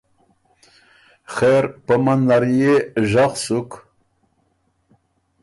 خېر پۀ منځ نر يې ژغ سُک